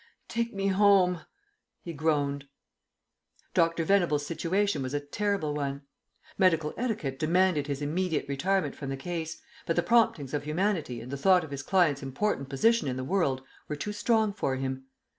"Take me home," he groaned. Dr. Venables' situation was a terrible one. Medical etiquette demanded his immediate retirement from the case, but the promptings of humanity and the thought of his client's important position in the world were too strong for him.